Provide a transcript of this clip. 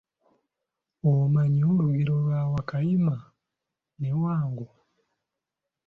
Omanyi olugero lwa "Wakayima ne Wango?"